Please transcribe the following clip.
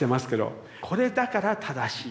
これだから正しい。